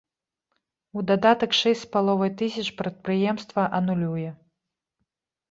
У дадатак шэсць з паловай тысяч прадпрыемства анулюе.